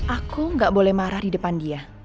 aku gak boleh marah di depan dia